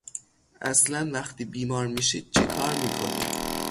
اصلن وقتی بیمار میشید چی کار میکنین؟